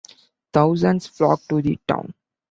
Thousands flock to the town.